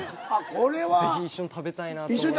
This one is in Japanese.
ぜひ一緒に食べたいなと思いまして。